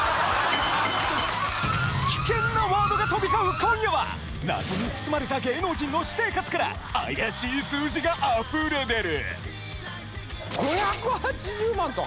危険なワードが飛び交う今夜は謎に包まれた芸能人の私生活から怪しい数字が溢れ出る！